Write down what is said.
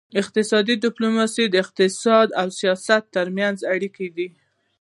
اقتصادي ډیپلوماسي د اقتصاد او سیاست ترمنځ اړیکه ده